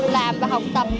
làm và học tập